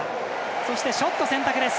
そして、ショット選択です。